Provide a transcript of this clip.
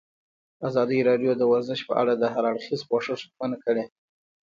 ازادي راډیو د ورزش په اړه د هر اړخیز پوښښ ژمنه کړې.